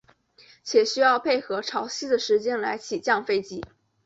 且需要配合潮汐的时间来起降飞机。